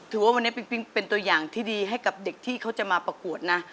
ว่าวันนี้ปิ้งเป็นตัวอย่างที่ดีให้กับเด็กที่เขาจะมาประกวดนะ